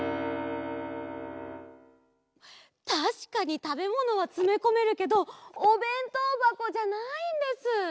たしかにたべものはつめこめるけどおべんとうばこじゃないんです。